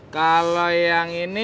kalau yang ini